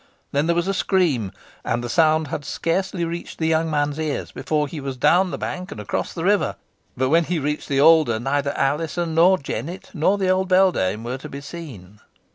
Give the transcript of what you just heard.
Then there was a scream; and the sound had scarcely reached the young man's ears before he was down the bank and across the river, but when he reached the alder, neither Alizon, nor Jennet, nor the old beldame were to be seen.